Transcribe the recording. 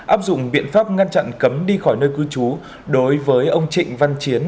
áp dụng biện pháp ngăn chặn cấm đi khỏi nơi cư trú đối với ông trịnh văn chiến